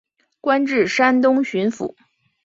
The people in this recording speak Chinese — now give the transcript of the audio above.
官至山东巡抚。